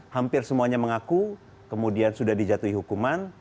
hampir semuanya mengaku kemudian sudah dijatuhi hukuman